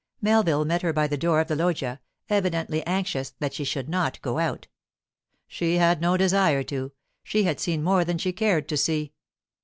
Melville met her by the door of the loggia, evidently anxious that she should not go out. She had no desire to; she had seen more than she cared to see.